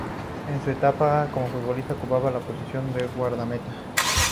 En su etapa como futbolista ocupaba la posición de guardameta.